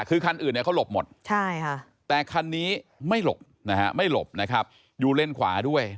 คือคันอื่นเขาหลบหมดแต่คันนี้ไม่หลบอยู่เล่นขวาด้วย